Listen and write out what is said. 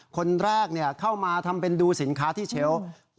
คนแรกเข้ามาทำเป็นดูสินค้าที่เชลล์